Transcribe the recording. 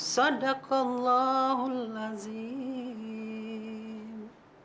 sadakallahu al azim